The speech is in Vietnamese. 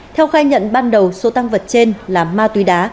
theo khai nhận ban đầu số tăng vật trên là ma túy đá